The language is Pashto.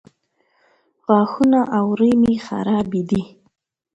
غاښونه او اورۍ مې خرابې دي